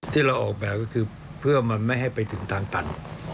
ที่เราออกแบบก็คือเพื่อมันไม่ให้ไปถึงทางตัน